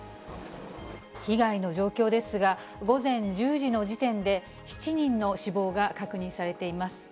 被害の状況ですが、午前１０時の時点で７人の死亡が確認されています。